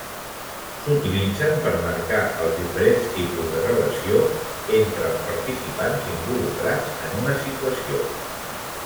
S'utilitzen per marcar els diferents tipus de relació entre els participants involucrats en una situació.